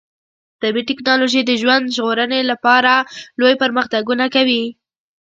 طبي ټکنالوژي د ژوند ژغورنې لپاره لوی پرمختګونه کوي.